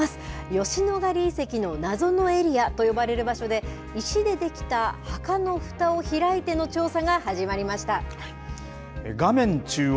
吉野ヶ里遺跡の謎のエリアと呼ばれる場所で、場所で、石で出来た墓のふたを開いての調査が始まり画面中央。